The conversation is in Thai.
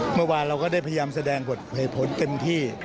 เมื่อวานเราก็ได้พยายามแสดงบทเหตุผลเต็มที่